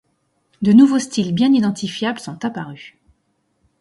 De nouveaux styles bien identifiables sont apparus.